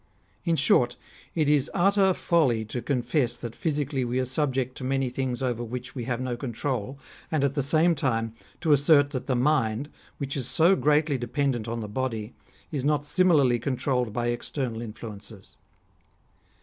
In short, it is utter folly to confess that physically we are subject to many things over which we have no control, and at the same time to assert that the mind, which is so greatly dependent on the body, is not similarly controlled by external influences.